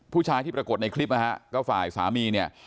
ผู้ชายที่ปรากฏในคลิปนะฮะก็ฝ่ายสามีเนี่ย